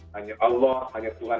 hanya allah hanya tuhan